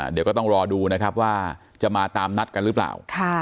เดี๋ยวก็ต้องรอดูนะครับว่าจะมาตามนัดกันหรือเปล่า